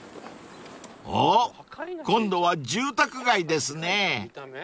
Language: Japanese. ［おっ今度は住宅街ですね］